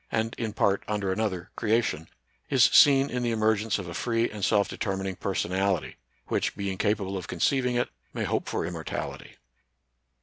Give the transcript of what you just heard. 103 and in part under another, Creation, is seen in the emergence of a free and self determining personality, which, being capable of conceiving it, may hope for immortality.